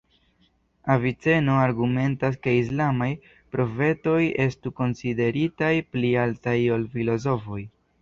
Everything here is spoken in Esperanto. Aviceno argumentas ke islamaj profetoj estu konsideritaj pli altaj ol filozofoj.